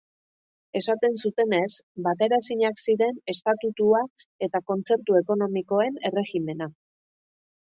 Esaten zutenez, bateraezinak ziren Estatutua eta Kontzertu Ekonomikoen erregimena.